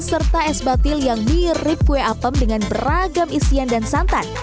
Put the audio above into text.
serta es batil yang mirip kue apem dengan beragam isian dan santan